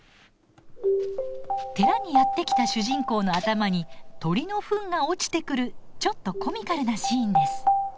寺にやって来た主人公の頭に鳥のふんが落ちてくるちょっとコミカルなシーンです。